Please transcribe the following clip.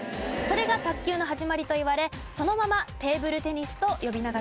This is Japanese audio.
それが卓球の始まりといわれそのままテーブルテニスと呼び名がつきました。